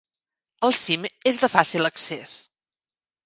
El cim és de fàcil accés.